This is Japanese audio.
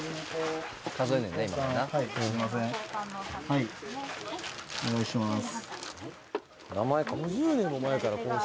はいお願いします